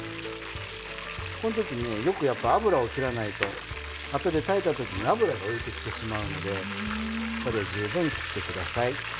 この時ねよくやっぱ油をきらないとあとで炊いた時に油が浮いてきてしまうので十分きってください。